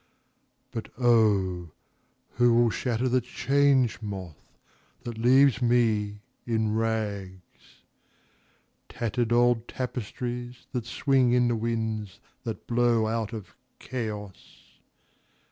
(But O who will shatter the Change Moth that leaves me in rags—tattered old tapestries that swing in the winds that blow out of Chaos!)